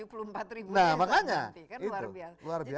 itu luar biasa